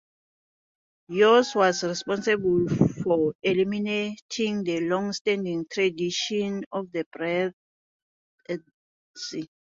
Yost was responsible for eliminating the longstanding tradition of beards at sea.